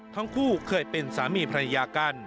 ทั้งคู่เคยเป็นสามีภรรยากัน